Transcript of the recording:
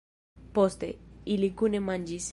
Poste, ili kune manĝis.